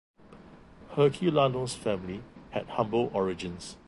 Herculano's family had humble origins.